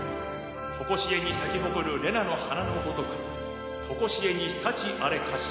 とこしえに咲き誇るレナの花のごとくとこしえに幸あれかし。